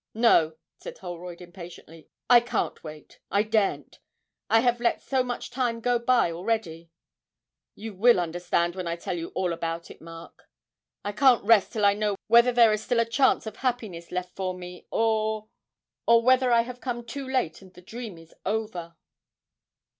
'No,' said Holroyd impatiently; 'I can't wait. I daren't. I have let so much time go by already you will understand when I tell you all about it, Mark. I can't rest till I know whether there is still a chance of happiness left for me, or or whether I have come too late and the dream is over.'